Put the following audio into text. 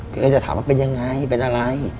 ก็จะถามว่าเป็นยังไงเป็นอะไร